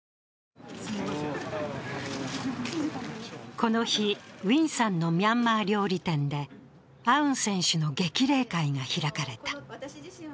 この日、ウィンさんのミャンマー料理店でアウン選手の激励会が開かれた。